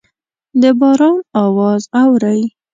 د باران اواز اورئ